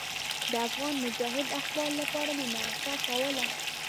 د افغان مجاهد اخبار لپاره مې مرکه کوله.